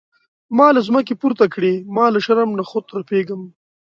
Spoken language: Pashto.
ما له ځمکې پورته کړي ما له شرم نخوت رپیږم.